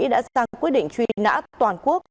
đã sang quyết định truy nã toàn quốc